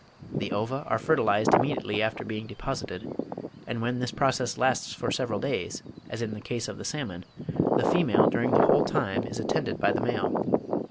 The ova are fertilised immediately after being deposited; and when this process lasts for several days, as in the case of the salmon (34. Yarrell, 'British Fishes,' vol. ii. p. 11.), the female, during the whole time, is attended by the male.